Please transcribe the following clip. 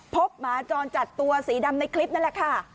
หมาจรจัดตัวสีดำในคลิปนั่นแหละค่ะ